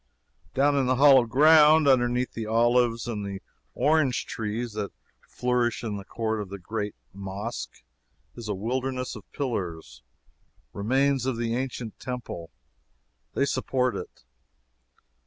Down in the hollow ground, underneath the olives and the orange trees that flourish in the court of the great Mosque, is a wilderness of pillars remains of the ancient Temple; they supported it.